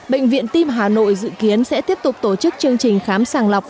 bệnh viện tim hà nội dự kiến sẽ tiếp tục tổ chức chương trình khám sàng lọc